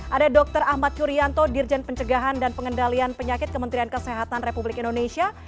ada dr ahmad yuryanto dirjen pencegahan dan pengendalian penyakit kementerian kesehatan republik indonesia